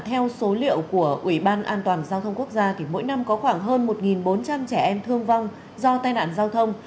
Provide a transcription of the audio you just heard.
theo số liệu của ủy ban an toàn giao thông quốc gia thì mỗi năm có khoảng hơn một bốn trăm linh trẻ em thương vong do tai nạn giao thông